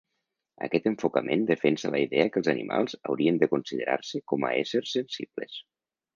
Aquest enfocament defensa la idea que els animals haurien de considerar-se com a éssers sensibles.